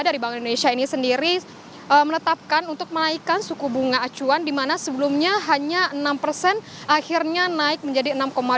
dari bank indonesia ini sendiri menetapkan untuk menaikkan suku bunga acuan di mana sebelumnya hanya enam persen akhirnya naik menjadi enam delapan